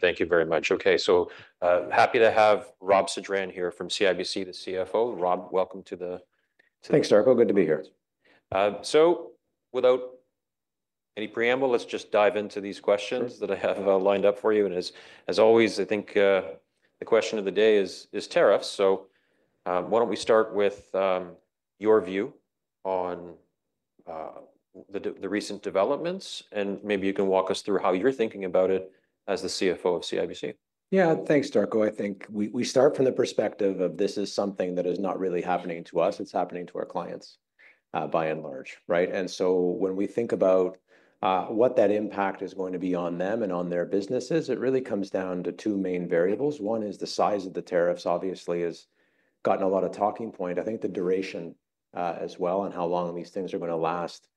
Thank you very much. Okay, so happy to have Robert Sedran here from CIBC, the CFO. Robert, welcome to the. Thanks, Darko. Good to be here. Without any preamble, let's just dive into these questions that I have lined up for you. As always, I think the question of the day is tariffs. Why don't we start with your view on the recent developments, and maybe you can walk us through how you're thinking about it as the CFO of CIBC. Yeah, thanks, Darko. I think we start from the perspective of this is something that is not really happening to us. It's happening to our clients, by and large, right? And so when we think about what that impact is going to be on them and on their businesses, it really comes down to two main variables. One is the size of the tariffs, obviously, has gotten a lot of talking points. I think the duration, as well, and how long these things are gonna last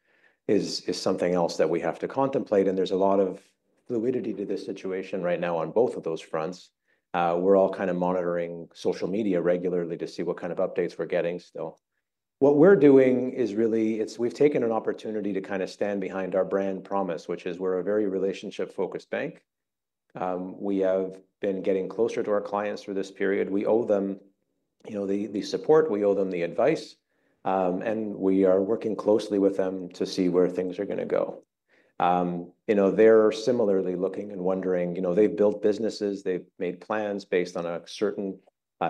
is something else that we have to contemplate. And there's a lot of fluidity to this situation right now on both of those fronts. We're all kind of monitoring social media regularly to see what kind of updates we're getting. So what we're doing is really, we've taken an opportunity to kind of stand behind our brand promise, which is we're a very relationship-focused bank. We have been getting closer to our clients through this period. We owe them, you know, the support. We owe them the advice, and we are working closely with them to see where things are gonna go. You know, they're similarly looking and wondering, you know, they've built businesses, they've made plans based on a certain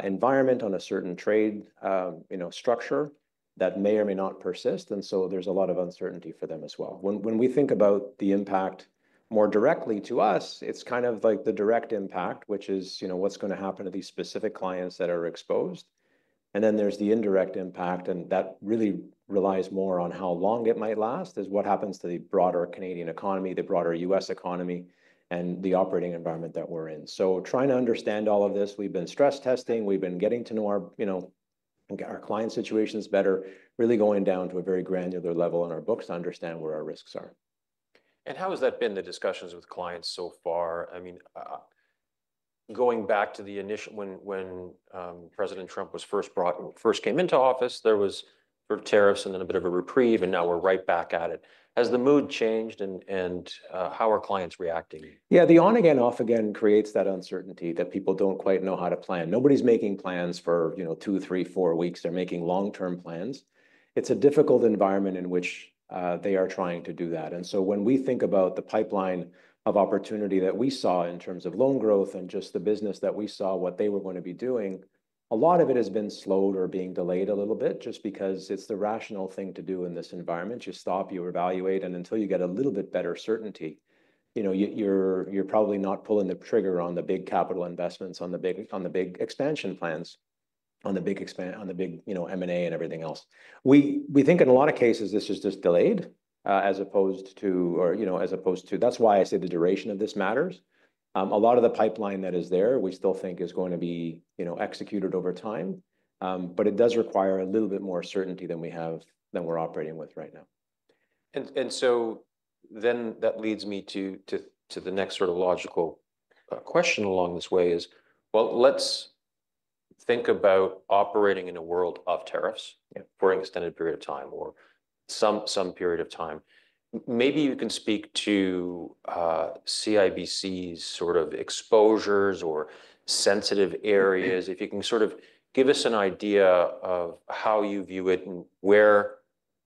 environment, on a certain trade, you know, structure that may or may not persist, and so there's a lot of uncertainty for them as well. When we think about the impact more directly to us, it's kind of like the direct impact, which is, you know, what's gonna happen to these specific clients that are exposed. And then there's the indirect impact, and that really relies more on how long it might last, is what happens to the broader Canadian economy, the broader U.S. economy, and the operating environment that we're in. So trying to understand all of this, we've been stress testing, we've been getting to know our, you know, our client situations better, really going down to a very granular level in our books to understand where our risks are. How has that been, the discussions with clients so far? I mean, going back to the initial, when President Trump was first came into office, there was sort of tariffs and then a bit of a reprieve, and now we're right back at it. Has the mood changed and how are clients reacting? Yeah, the on-again, off-again creates that uncertainty that people don't quite know how to plan. Nobody's making plans for, you know, two, three, four weeks. They're making long-term plans. It's a difficult environment in which they are trying to do that. And so when we think about the pipeline of opportunity that we saw in terms of loan growth and just the business that we saw, what they were gonna be doing, a lot of it has been slowed or being delayed a little bit just because it's the rational thing to do in this environment. You stop, you evaluate, and until you get a little bit better certainty, you know, you're probably not pulling the trigger on the big capital investments, on the big expansion plans, you know, M&A and everything else. We think in a lot of cases this is just delayed, as opposed to, or, you know, as opposed to. That's why I say the duration of this matters. A lot of the pipeline that is there, we still think is going to be, you know, executed over time, but it does require a little bit more certainty than we have, we're operating with right now. And so then that leads me to the next sort of logical question along this way is, well, let's think about operating in a world of tariffs for an extended period of time or some period of time. Maybe you can speak to CIBC sort of exposures or sensitive areas. If you can sort of give us an idea of how you view it and where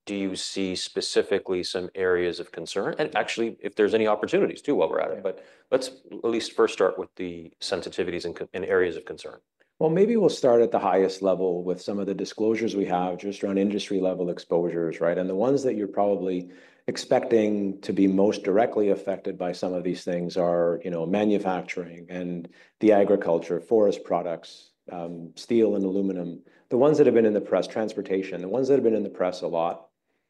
do you see specifically some areas of concern. And actually, if there's any opportunities too, while we're at it, but let's at least first start with the sensitivities and areas of concern. Maybe we'll start at the highest level with some of the disclosures we have just around industry-level exposures, right, and the ones that you're probably expecting to be most directly affected by some of these things are, you know, manufacturing and the agriculture, forest products, steel and aluminum, the ones that have been in the press, transportation, the ones that have been in the press a lot,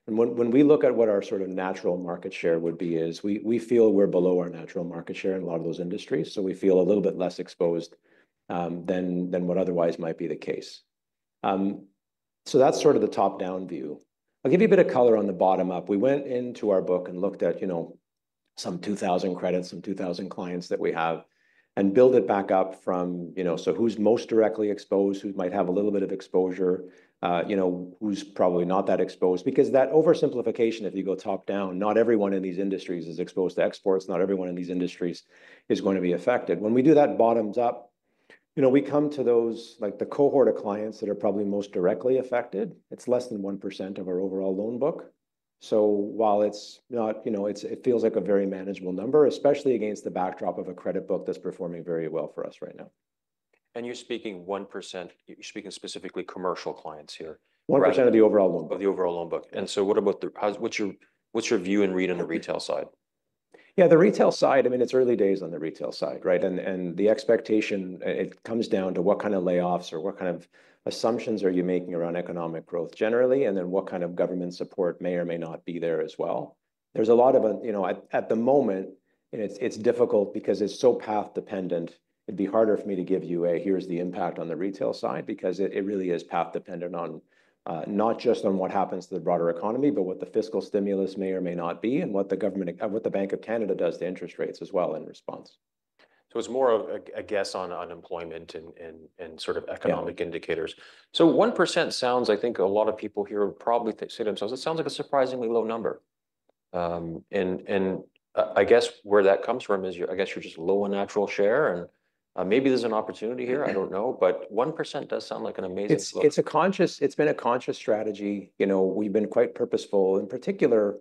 and when we look at what our sort of natural market share would be is we feel we're below our natural market share in a lot of those industries. We feel a little bit less exposed than what otherwise might be the case, so that's sort of the top-down view. I'll give you a bit of color on the bottom up. We went into our book and looked at, you know, some 2,000 credits, some 2,000 clients that we have and built it back up from, you know, so who's most directly exposed, who might have a little bit of exposure, you know, who's probably not that exposed. Because that oversimplification, if you go top-down, not everyone in these industries is exposed to exports. Not everyone in these industries is going to be affected. When we do that bottom-up, you know, we come to those, like the cohort of clients that are probably most directly affected. It's less than 1% of our overall loan book. So while it's not, you know, it's, it feels like a very manageable number, especially against the backdrop of a credit book that's performing very well for us right now. You're speaking 1%, you're speaking specifically commercial clients here. 1% of the overall loan book. Of the overall loan book. And so what about the, what's your view and read on the retail side? Yeah, the retail side, I mean, it's early days on the retail side, right? And the expectation, it comes down to what kind of layoffs or what kind of assumptions are you making around economic growth generally, and then what kind of government support may or may not be there as well. There's a lot of, you know, at the moment, and it's difficult because it's so path dependent. It'd be harder for me to give you a, here's the impact on the retail side because it really is path dependent on, not just on what happens to the broader economy, but what the fiscal stimulus may or may not be and what the government, what the Bank of Canada does to interest rates as well in response. So it's more of a guess on unemployment and sort of economic indicators. So 1% sounds, I think a lot of people here would probably say to themselves, it sounds like a surprisingly low number, and I guess where that comes from is you, I guess you're just low on natural share and maybe there's an opportunity here. I don't know, but 1% does sound like an amazingly slow. It's a conscious strategy. It's been a conscious strategy. You know, we've been quite purposeful in particular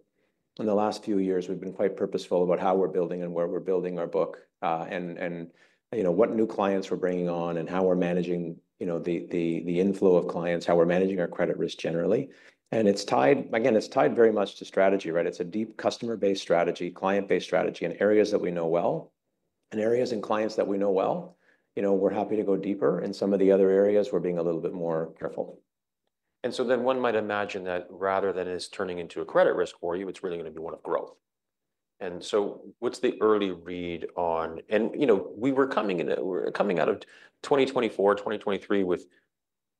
in the last few years. We've been quite purposeful about how we're building and where we're building our book, and you know, what new clients we're bringing on and how we're managing, you know, the inflow of clients, how we're managing our credit risk generally. And it's tied, again, very much to strategy, right? It's a deep customer-based strategy, client-based strategy in areas that we know well and areas in clients that we know well. You know, we're happy to go deeper in some of the other areas. We're being a little bit more careful. And so then one might imagine that rather than it is turning into a credit risk for you, it's really gonna be one of growth. And so what's the early read on, and you know, we were coming in, we're coming out of 2024, 2023 with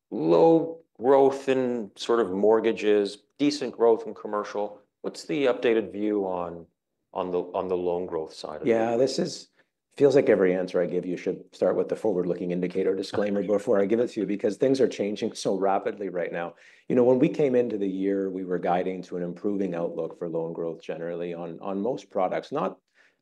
low growth in sort of mortgages, decent growth in commercial. What's the updated view on, on the, on the loan growth side of it? Yeah, this is, feels like every answer I give you should start with the forward-looking indicator disclaimer before I give it to you because things are changing so rapidly right now. You know, when we came into the year, we were guiding to an improving outlook for loan growth generally on, on most products, not,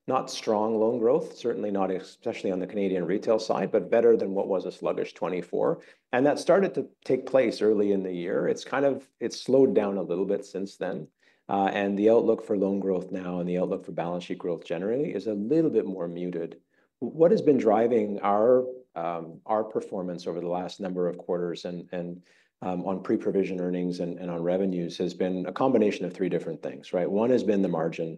not strong loan growth, certainly not, especially on the Canadian retail side, but better than what was a sluggish 2024. And that started to take place early in the year. It's kind of, it's slowed down a little bit since then. And the outlook for loan growth now and the outlook for balance sheet growth generally is a little bit more muted. What has been driving our, our performance over the last number of quarters and, and, on pre-provision earnings and, and on revenues has been a combination of three different things, right? One has been the margin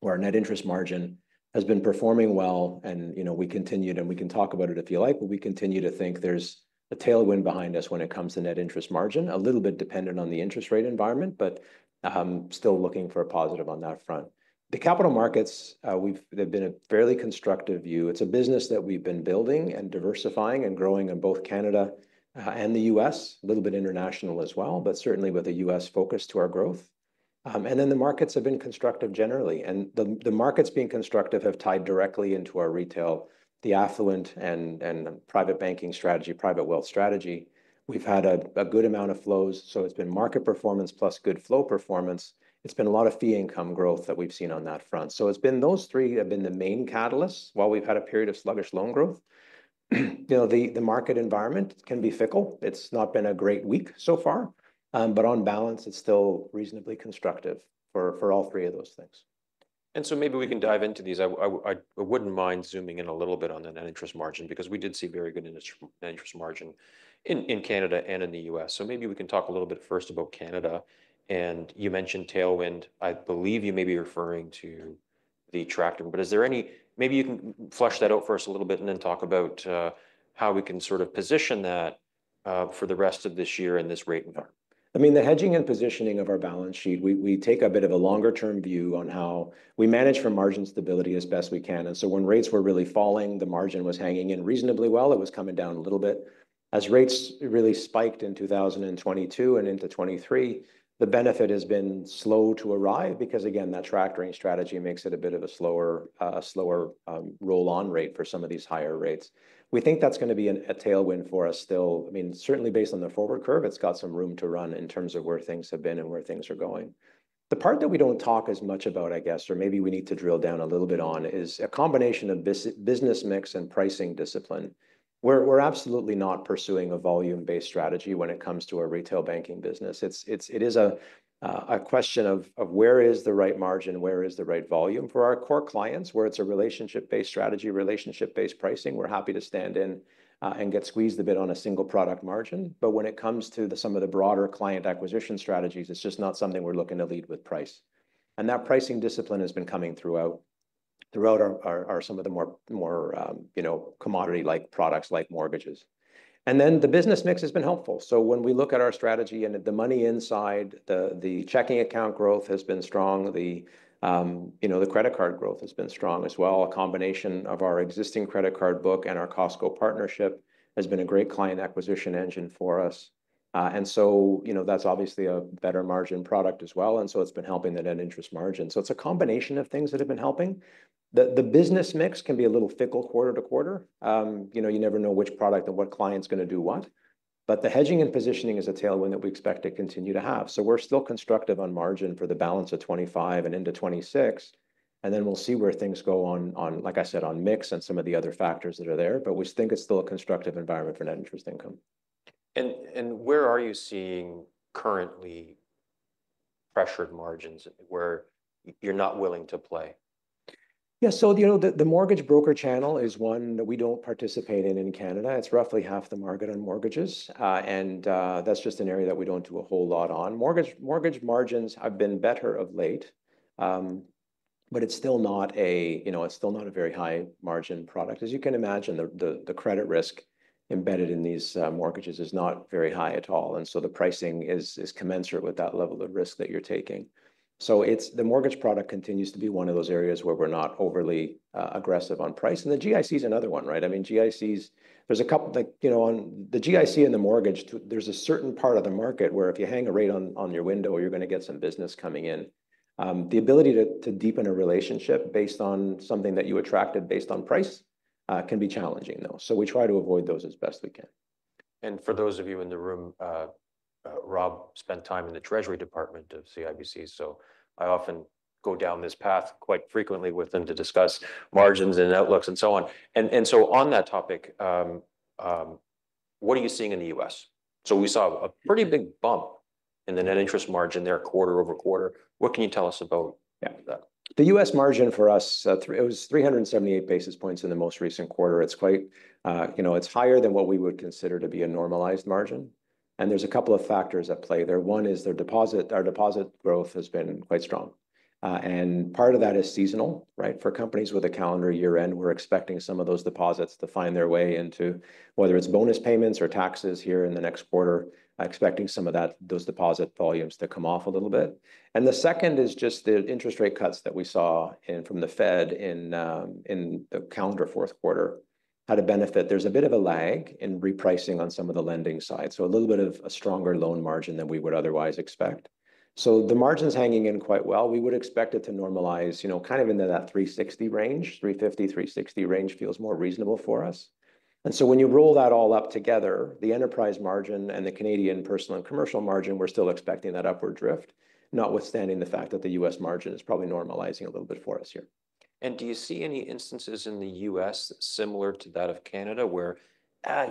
or net interest margin has been performing well. You know, we continued, and we can talk about it if you like, but we continue to think there's a tailwind behind us when it comes to net interest margin, a little bit dependent on the interest rate environment, but still looking for a positive on that front. The Capital Markets, we've, they've been a fairly constructive view. It's a business that we've been building and diversifying and growing in both Canada and the U.S., a little bit international as well, but certainly with a U.S. focus to our growth, and then the markets have been constructive generally. The markets being constructive have tied directly into our retail, the affluent and private banking strategy, private wealth strategy. We've had a good amount of flows. So it's been market performance plus good flow performance. It's been a lot of fee income growth that we've seen on that front. So it's been those three have been the main catalysts while we've had a period of sluggish loan growth. You know, the market environment can be fickle. It's not been a great week so far. But on balance, it's still reasonably constructive for all three of those things. And so maybe we can dive into these. I wouldn't mind zooming in a little bit on the net interest margin because we did see very good interest margin in Canada and in the U.S. So maybe we can talk a little bit first about Canada. And you mentioned tailwind. I believe you may be referring to the tranching, but is there any, maybe you can flesh that out first a little bit and then talk about how we can sort of position that for the rest of this year in this rate environment. I mean, the hedging and positioning of our balance sheet, we take a bit of a longer-term view on how we manage for margin stability as best we can. And so when rates were really falling, the margin was hanging in reasonably well. It was coming down a little bit as rates really spiked in 2022 and into 2023. The benefit has been slow to arrive because again, that tranching strategy makes it a bit of a slower roll-on rate for some of these higher rates. We think that's gonna be a tailwind for us still. I mean, certainly based on the forward curve, it's got some room to run in terms of where things have been and where things are going. The part that we don't talk as much about, I guess, or maybe we need to drill down a little bit on is a combination of business mix and pricing discipline. We're absolutely not pursuing a volume-based strategy when it comes to our retail banking business. It's a question of where is the right margin, where is the right volume for our core clients, where it's a relationship-based strategy, relationship-based pricing. We're happy to stand in and get squeezed a bit on a single product margin. But when it comes to some of the broader client acquisition strategies, it's just not something we're looking to lead with price. And that pricing discipline has been coming throughout our some of the more, you know, commodity-like products like mortgages. And then the business mix has been helpful. So when we look at our strategy and the Money In side, the chequing account growth has been strong. You know, the credit card growth has been strong as well. A combination of our existing credit card book and our Costco partnership has been a great client acquisition engine for us, and so, you know, that's obviously a better margin product as well. And so it's been helping the net interest margin. So it's a combination of things that have been helping. The business mix can be a little fickle quarter to quarter. You know, you never know which product and what client's gonna do what. But the hedging and positioning is a tailwind that we expect to continue to have. So we're still constructive on margin for the balance of 2025 and into 2026. And then we'll see where things go on, like I said, on mix and some of the other factors that are there. But we think it's still a constructive environment for net interest income. Where are you seeing currently pressured margins where you're not willing to play? Yeah. So, you know, the mortgage broker channel is one that we don't participate in in Canada. It's roughly half the market on mortgages, and that's just an area that we don't do a whole lot on. Mortgage margins have been better of late, but it's still not, you know, a very high margin product. As you can imagine, the credit risk embedded in these mortgages is not very high at all, and so the pricing is commensurate with that level of risk that you're taking. So it's the mortgage product continues to be one of those areas where we're not overly aggressive on price, and the GICs another one, right? I mean, GICs, there's a couple that, you know, on the GIC and the mortgage, there's a certain part of the market where if you hang a rate on, on your window, you're gonna get some business coming in. The ability to, to deepen a relationship based on something that you attracted based on price, can be challenging though, so we try to avoid those as best we can. For those of you in the room, Robert spent time in the Treasury Department of CIBC. I often go down this path quite frequently with them to discuss margins and outlooks and so on. And so on that topic, what are you seeing in the U.S.? We saw a pretty big bump in the net interest margin there quarter over quarter. What can you tell us about that? The U.S. margin for us, it was 378 basis points in the most recent quarter. It's quite, you know, it's higher than what we would consider to be a normalized margin. And there's a couple of factors at play there. One is their deposit, our deposit growth has been quite strong. And part of that is seasonal, right? For companies with a calendar year end, we're expecting some of those deposits to find their way into whether it's bonus payments or taxes here in the next quarter, expecting some of that, those deposit volumes to come off a little bit. And the second is just the interest rate cuts that we saw in, from the Fed in, in the calendar fourth quarter had a benefit. There's a bit of a lag in repricing on some of the lending side. A little bit of a stronger loan margin than we would otherwise expect. The margin's hanging in quite well. We would expect it to normalize, you know, kind of into that 360 range. The 350-360 range feels more reasonable for us. When you roll that all up together, the enterprise margin and the Canadian personal and commercial margin, we're still expecting that upward drift, notwithstanding the fact that the U.S. margin is probably normalizing a little bit for us here. Do you see any instances in the U.S. similar to that of Canada where,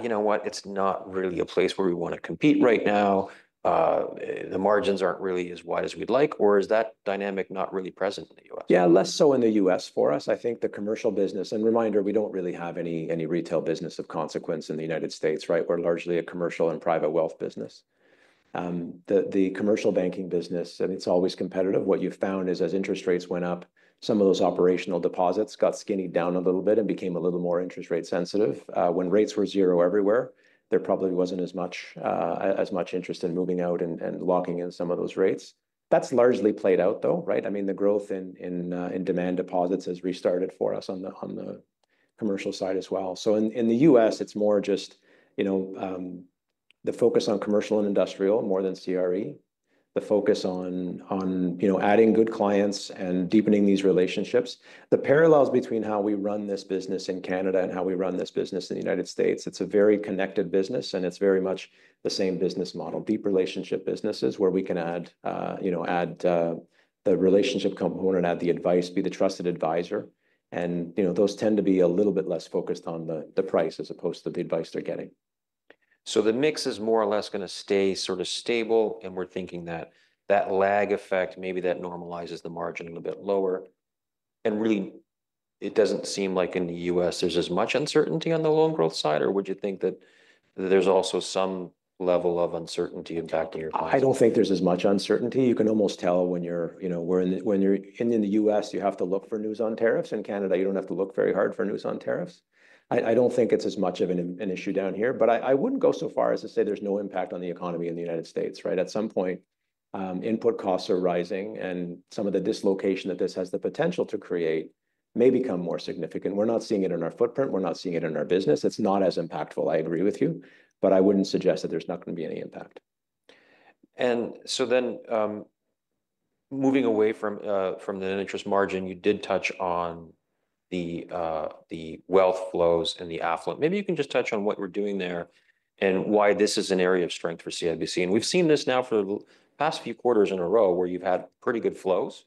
you know what, it's not really a place where we wanna compete right now? The margins aren't really as wide as we'd like, or is that dynamic not really present in the U.S.? Yeah, less so in the U.S. for us. I think the commercial business, and reminder, we don't really have any retail business of consequence in the United States, right? We're largely a commercial and private wealth business. The commercial banking business, I mean, it's always competitive. What you've found is as interest rates went up, some of those operational deposits got skinny down a little bit and became a little more interest rate sensitive. When rates were zero everywhere, there probably wasn't as much interest in moving out and locking in some of those rates. That's largely played out though, right? I mean, the growth in demand deposits has restarted for us on the commercial side as well. So in the U.S., it's more just, you know, the focus on commercial and industrial more than CRE, the focus on, you know, adding good clients and deepening these relationships. The parallels between how we run this business in Canada and how we run this business in the United States, it's a very connected business and it's very much the same business model, deep relationship businesses where we can add, you know, the relationship component, add the advice, be the trusted advisor. And, you know, those tend to be a little bit less focused on the price as opposed to the advice they're getting. So the mix is more or less gonna stay sort of stable. And we're thinking that lag effect, maybe that normalizes the margin a little bit lower. And really, it doesn't seem like in the U.S. There's as much uncertainty on the loan growth side, or would you think that there's also some level of uncertainty impacting your clients? I don't think there's as much uncertainty. You can almost tell when you're, you know, when you're in the U.S., you have to look for news on tariffs. In Canada, you don't have to look very hard for news on tariffs. I, I don't think it's as much of an, an issue down here, but I, I wouldn't go so far as to say there's no impact on the economy in the United States, right? At some point, input costs are rising and some of the dislocation that this has the potential to create may become more significant. We're not seeing it in our footprint. We're not seeing it in our business. It's not as impactful. I agree with you, but I wouldn't suggest that there's not gonna be any impact. Moving away from the net interest margin, you did touch on the wealth flows and the affluent. Maybe you can just touch on what we're doing there and why this is an area of strength for CIBC. We've seen this now for the past few quarters in a row where you've had pretty good flows.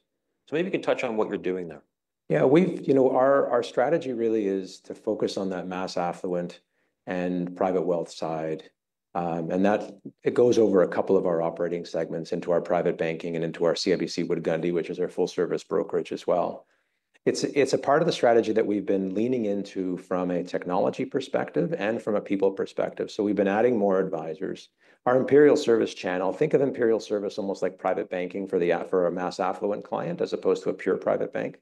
Maybe you can touch on what you're doing there. Yeah, we've, you know, our strategy really is to focus on that mass affluent and private wealth side. And that, it goes over a couple of our operating segments into our private banking and into our CIBC Wood Gundy, which is our full service brokerage as well. It's a part of the strategy that we've been leaning into from a technology perspective and from a people perspective. So we've been adding more advisors. Our Imperial Service channel, think of Imperial Service almost like private banking for a mass affluent client as opposed to a pure private bank,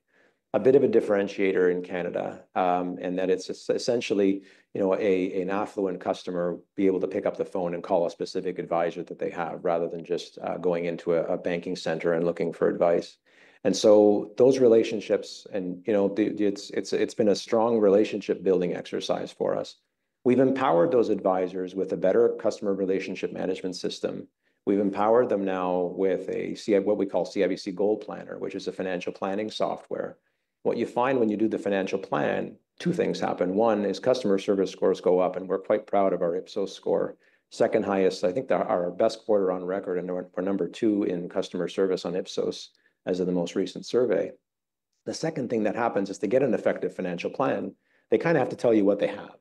a bit of a differentiator in Canada. And it's essentially, you know, an affluent customer be able to pick up the phone and call a specific advisor that they have rather than just going into a banking centre and looking for advice. And so those relationships and, you know, it's been a strong relationship building exercise for us. We've empowered those advisors with a better customer relationship management system. We've empowered them now with a CIBC GoalPlanner, which is a financial planning software. What you find when you do the financial plan, two things happen. One is customer service scores go up and we're quite proud of our Ipsos score. Second highest, I think our best quarter on record and our number two in customer service on Ipsos as of the most recent survey. The second thing that happens is to get an effective financial plan, they kind of have to tell you what they have.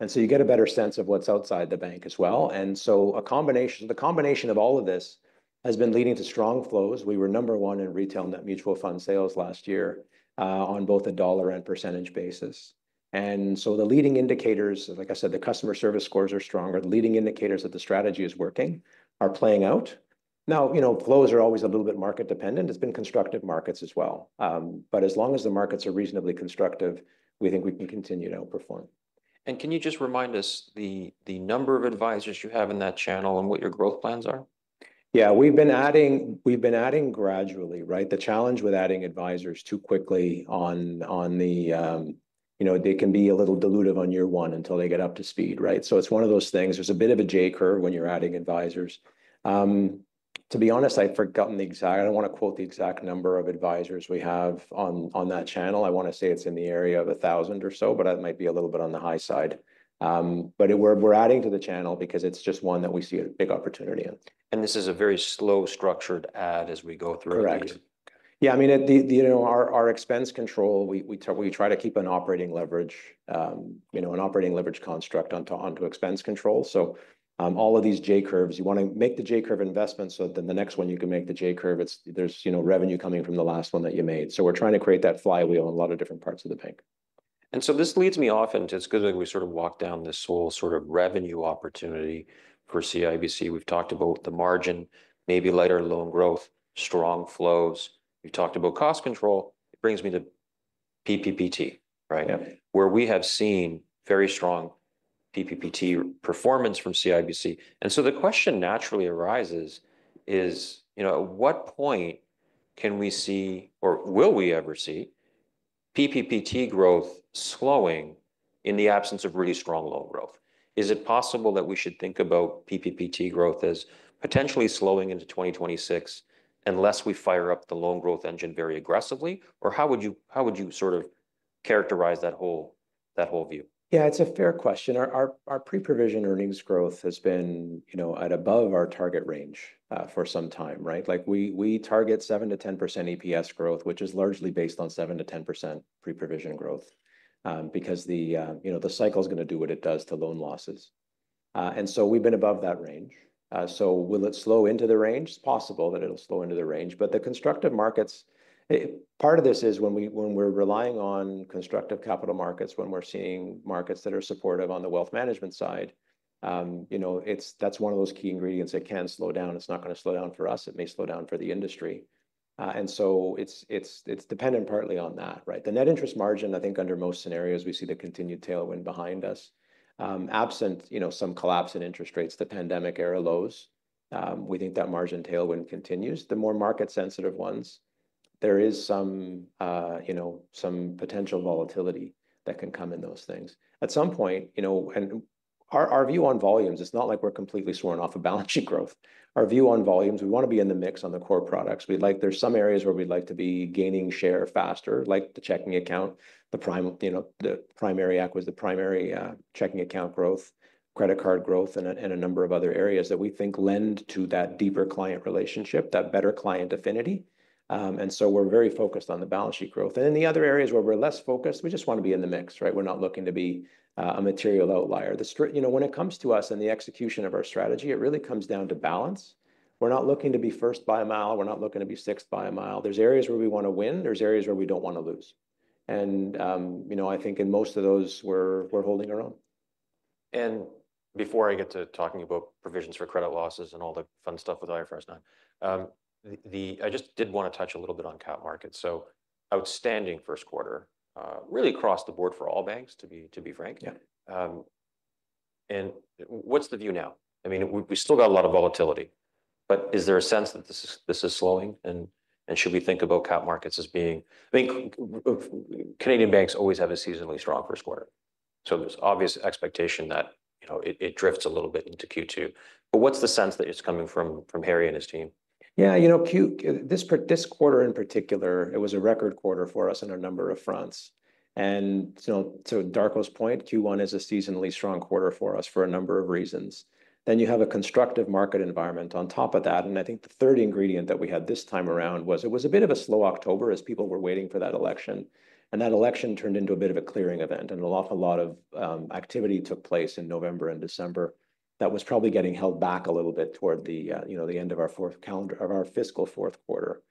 And so you get a better sense of what's outside the bank as well. And so a combination, the combination of all of this has been leading to strong flows. We were number one in retail net mutual fund sales last year, on both a dollar and percentage basis. And so the leading indicators, like I said, the customer service scores are stronger. The leading indicators that the strategy is working are playing out. Now, you know, flows are always a little bit market dependent. It's been constructive markets as well. But as long as the markets are reasonably constructive, we think we can continue to outperform. Can you just remind us the number of advisors you have in that channel and what your growth plans are? Yeah, we've been adding, we've been adding gradually, right? The challenge with adding advisors too quickly on, on the, you know, they can be a little dilutive on year one until they get up to speed, right? So it's one of those things. There's a bit of a J-curve when you're adding advisors. To be honest, I've forgotten the exact, I don't wanna quote the exact number of advisors we have on, on that channel. I wanna say it's in the area of a thousand or so, but it might be a little bit on the high side. But we're, we're adding to the channel because it's just one that we see a big opportunity in. This is a very slow structured ad as we go through. Correct. Yeah, I mean, the, you know, our expense control, we try to keep an operating leverage, you know, an operating leverage construct onto expense control. So, all of these J curves, you wanna make the J curve investment so that then the next one you can make the J curve, there's, you know, revenue coming from the last one that you made. So we're trying to create that flywheel in a lot of different parts of the bank. And so this leads me off into, it's 'cause we sort of walked down this whole sort of revenue opportunity for CIBC. We've talked about the margin, maybe lighter loan growth, strong flows. We've talked about cost control. It brings me to PTPP, right? Where we have seen very strong PTPP performance from CIBC. And so the question naturally arises is, you know, at what point can we see, or will we ever see PTPP growth slowing in the absence of really strong loan growth? Is it possible that we should think about PTPP growth as potentially slowing into 2026 unless we fire up the loan growth engine very aggressively? Or how would you sort of characterize that whole view? Yeah, it's a fair question. Our pre-provision earnings growth has been, you know, above our target range for some time, right? Like we target seven to 10% EPS growth, which is largely based on seven to 10% pre-provision growth because you know, the cycle's gonna do what it does to loan losses. And so we've been above that range. So will it slow into the range? It's possible that it'll slow into the range. But the constructive markets, part of this is when we're relying on constructive Capital Markets, when we're seeing markets that are supportive on the wealth management side, you know, it's, that's one of those key ingredients. It can slow down. It's not gonna slow down for us. It may slow down for the industry. And so it's dependent partly on that, right? The net interest margin, I think, under most scenarios, we see the continued tailwind behind us. Absent, you know, some collapse in interest rates, the pandemic era lows, we think that margin tailwind continues. The more market-sensitive ones, there is some, you know, some potential volatility that can come in those things. At some point, you know, and our view on volumes, it's not like we're completely sworn off of balance sheet growth. Our view on volumes, we wanna be in the mix on the core products. We'd like, there's some areas where we'd like to be gaining share faster, like the chequing account, the prime, you know, the primary acquisition, the primary chequing account growth, credit card growth, and a number of other areas that we think lend to that deeper client relationship, that better client affinity. And so we're very focused on the balance sheet growth. And then the other areas where we're less focused, we just wanna be in the mix, right? We're not looking to be a material outlier. The strict, you know, when it comes to us and the execution of our strategy, it really comes down to balance. We're not looking to be first by a mile. We're not looking to be sixth by a mile. There's areas where we wanna win. There's areas where we don't wanna lose. And, you know, I think in most of those we're holding our own. And before I get to talking about provisions for credit losses and all the fun stuff with IFRS 9, I just did wanna touch a little bit on Cap markets. So outstanding first quarter, really across the board for all banks, to be frank. Yeah. And what's the view now? I mean, we still got a lot of volatility, but is there a sense that this is slowing and should we think about Capital Markets as being, I mean, Canadian banks always have a seasonally strong first quarter. So there's obvious expectation that, you know, it drifts a little bit into Q2. But what's the sense that is coming from Harry and his team? Yeah, you know, Q, this, this quarter in particular, it was a record quarter for us in a number of fronts. And, you know, to Darko's point, Q1 is a seasonally strong quarter for us for a number of reasons. Then you have a constructive market environment on top of that. And I think the third ingredient that we had this time around was it was a bit of a slow October as people were waiting for that election. And that election turned into a bit of a clearing event. And a lot, a lot of, activity took place in November and December that was probably getting held back a little bit toward the, you know, the end of our fourth calendar of our fiscal fourth quarter.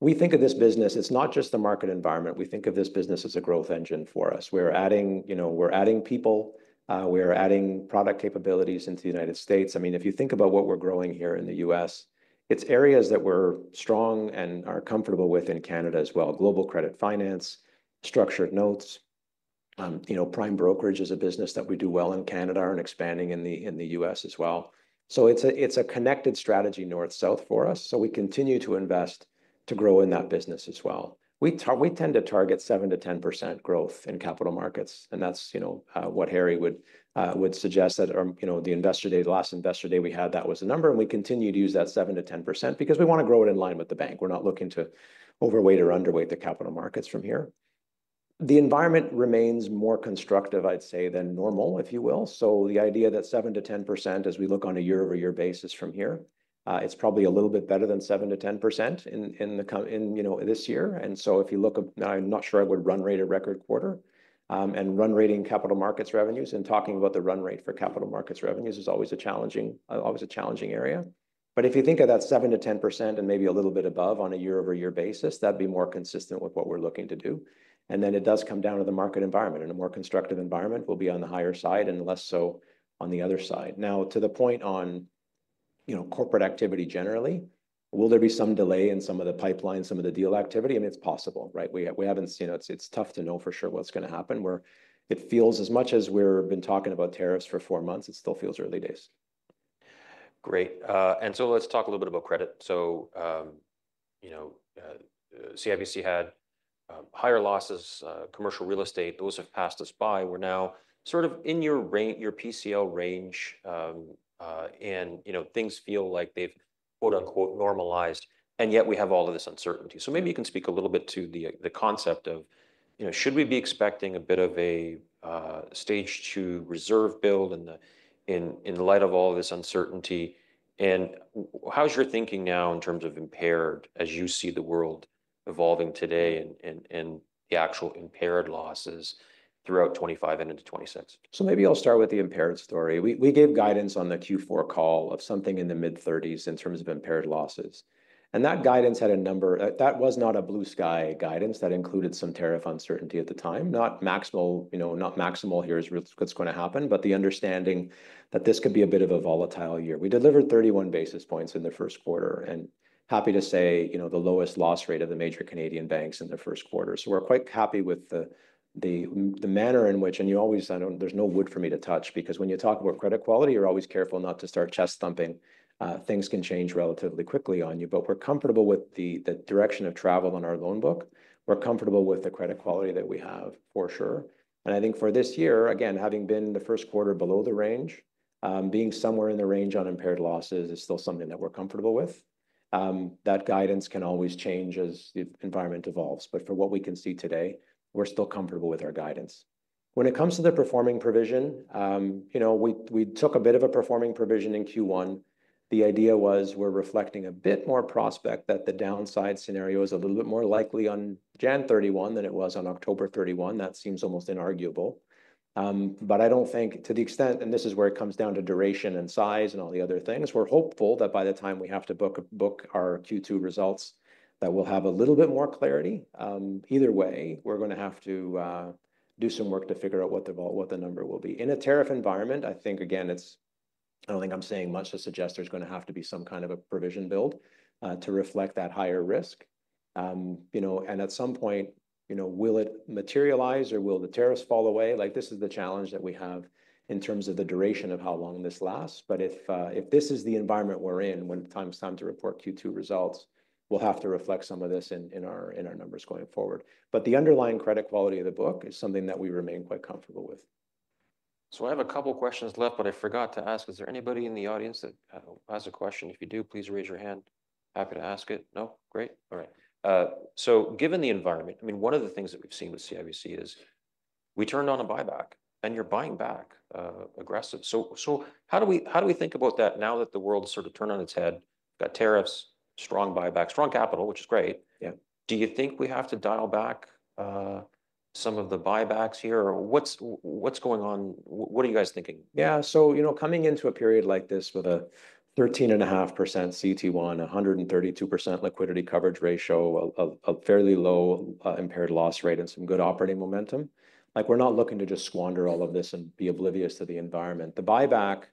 We think of this business, it's not just the market environment. We think of this business as a growth engine for us. We're adding, you know, we're adding people, we're adding product capabilities into the United States. I mean, if you think about what we're growing here in the U.S., it's areas that we're strong and are comfortable with in Canada as well. Global Credit Finance, structured notes, you know, prime brokerage is a business that we do well in Canada and expanding in the U.S. as well. So it's a connected strategy north, south for us. So we continue to invest to grow in that business as well. We tend to target 7%-10% growth in Capital Markets, and that's, you know, what Harry would suggest, or, you know, the investor day, the last investor day we had, that was the number, and we continue to use that 7%-10% because we wanna grow it in line with the bank. We're not looking to overweight or underweight the Capital Markets from here. The environment remains more constructive, I'd say, than normal, if you will. The idea that 7%-10%, as we look on a year-over-year basis from here, it's probably a little bit better than 7%-10% in the coming, you know, this year. And so if you look at, now I'm not sure I would run-rate a record quarter, and run-rating Capital Markets revenues and talking about the run-rate for Capital Markets revenues is always a challenging area. But if you think of that 7%-10% and maybe a little bit above on a year-over-year basis, that'd be more consistent with what we're looking to do. And then it does come down to the market environment. In a more constructive environment, we'll be on the higher side and less so on the other side. Now, to the point on, you know, corporate activity generally, will there be some delay in some of the pipeline, some of the deal activity? I mean, it's possible, right? We haven't seen. It's tough to know for sure what's gonna happen where it feels as much as we've been talking about tariffs for four months. It still feels early days. Great. And so let's talk a little bit about credit. So, you know, CIBC had higher losses, commercial real estate, those have passed us by. We're now sort of in your range, your PCL range, and, you know, things feel like they've quote unquote normalized, and yet we have all of this uncertainty. So maybe you can speak a little bit to the concept of, you know, should we be expecting a bit of a Stage 2 reserve build in the light of all this uncertainty? And how's your thinking now in terms of impaired, as you see the world evolving today and the actual impaired losses throughout 2025 and into 2026? So maybe I'll start with the impaired story. We gave guidance on the Q4 call of something in the mid-thirties in terms of impaired losses. And that guidance had a number, that was not a blue sky guidance. That included some tariff uncertainty at the time, not maximal, you know, not maximal here is what's gonna happen, but the understanding that this could be a bit of a volatile year. We delivered 31 basis points in the first quarter and happy to say, you know, the lowest loss rate of the major Canadian banks in the first quarter. So we're quite happy with the manner in which, and you always, I don't, there's no wood for me to touch because when you talk about credit quality, you're always careful not to start chest thumping. Things can change relatively quickly on you, but we're comfortable with the direction of travel on our loan book. We're comfortable with the credit quality that we have for sure. And I think for this year, again, having been the first quarter below the range, being somewhere in the range on impaired losses is still something that we're comfortable with. That guidance can always change as the environment evolves. But for what we can see today, we're still comfortable with our guidance. When it comes to the performing provision, you know, we took a bit of a performing provision in Q1. The idea was we're reflecting a bit more prospect that the downside scenario is a little bit more likely on January 31 than it was on October 31. That seems almost inarguable. But I don't think to the extent, and this is where it comes down to duration and size and all the other things, we're hopeful that by the time we have to book our Q2 results, that we'll have a little bit more clarity. Either way, we're gonna have to do some work to figure out what the number will be. In a tariff environment, I think, again, it's, I don't think I'm saying much. I suggest there's gonna have to be some kind of a provision build to reflect that higher risk. You know, and at some point, you know, will it materialize or will the tariffs fall away? Like this is the challenge that we have in terms of the duration of how long this lasts. But if this is the environment we're in, when it's time to report Q2 results, we'll have to reflect some of this in our numbers going forward. But the underlying credit quality of the book is something that we remain quite comfortable with. So I have a couple questions left, but I forgot to ask. Is there anybody in the audience that has a question? If you do, please raise your hand. Happy to ask it. No? Great. All right. So given the environment, I mean, one of the things that we've seen with CIBC is we turned on a buyback and you're buying back aggressive. So how do we think about that now that the world's sort of turned on its head, got tariffs, strong buyback, strong capital, which is great? Yeah. Do you think we have to dial back some of the buybacks here? What's going on? What are you guys thinking? Yeah. So, you know, coming into a period like this with a 13.5% CET1, 132% liquidity coverage ratio, a fairly low impaired loss rate and some good operating momentum, like we're not looking to just squander all of this and be oblivious to the environment. The buyback,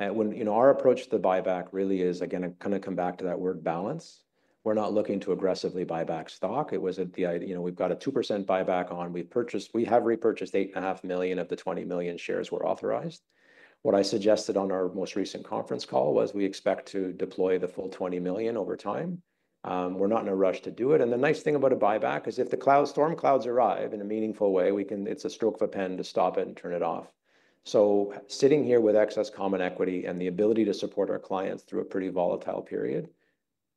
you know, our approach to the buyback really is, again, I'm gonna come back to that word balance. We're not looking to aggressively buy back stock. It was at the idea, you know, we've got a 2% buyback on, we've purchased, we have repurchased 8.5 million of the 20 million shares we're authorized. What I suggested on our most recent conference call was we expect to deploy the full 20 million over time. We're not in a rush to do it. The nice thing about a buyback is if the storm clouds arrive in a meaningful way, we can. It's a stroke of a pen to stop it and turn it off. Sitting here with excess common equity and the ability to support our clients through a pretty volatile period,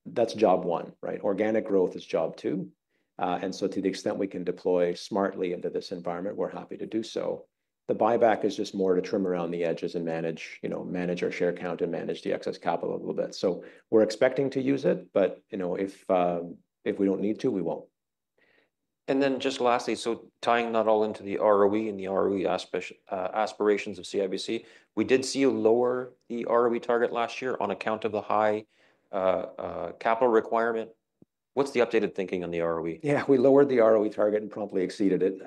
that's job one, right? Organic growth is job two. To the extent we can deploy smartly into this environment, we're happy to do so. The buyback is just more to trim around the edges and manage, you know, manage our share count and manage the excess capital a little bit. We're expecting to use it, but you know, if we don't need to, we won't. And then just lastly, so tying that all into the ROE and the ROE aspirations of CIBC, we did see a lower ROE target last year on account of the high capital requirement. What's the updated thinking on the ROE? Yeah, we lowered the ROE target and promptly exceeded it.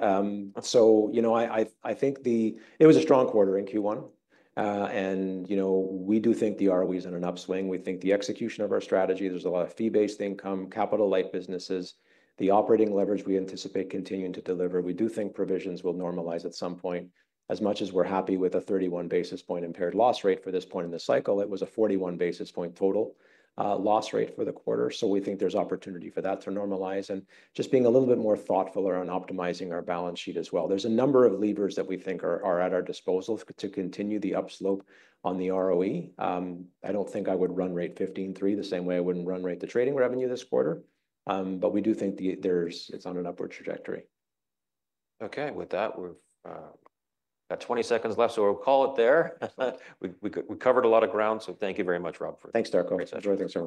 So, you know, I think it was a strong quarter in Q1. And, you know, we do think the ROE is in an upswing. We think the execution of our strategy, there's a lot of fee-based income, capital-like businesses, the operating leverage we anticipate continuing to deliver. We do think provisions will normalize at some point. As much as we're happy with a 31 basis point impaired loss rate for this point in the cycle, it was a 41 basis point total loss rate for the quarter. So we think there's opportunity for that to normalize and just being a little bit more thoughtful around optimizing our balance sheet as well. There's a number of levers that we think are at our disposal to continue the upslope on the ROE. I don't think I would run-rate 15.3 the same way I wouldn't run rate the trading revenue this quarter, but we do think it's on an upward trajectory. Okay. With that, we've got 20 seconds left, so we'll call it there. We could, we covered a lot of ground, so thank you very much, Robert. Thanks, Darko. Enjoy the conference.